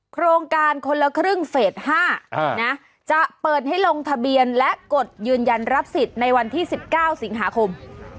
โครงการคนละครึ่งเฟส๕จะเปิดให้ลงทะเบียนและกดยืนยันรับสิทธิ์ในวันที่๑๙สิงหาคม